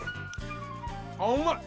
あうまい！